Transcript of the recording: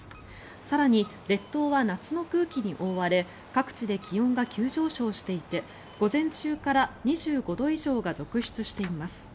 更に列島は夏の空気に覆われ各地で気温が急上昇していて午前中から２５度以上が続出しています。